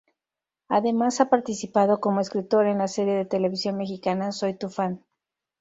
Además ha participado como escritor en la serie de televisión mexicana "Soy tu fan".